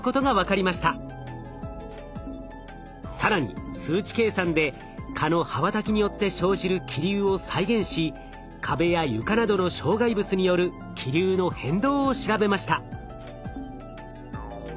更に数値計算で蚊の羽ばたきによって生じる気流を再現し壁や床などの障害物による気流の変動を調べました。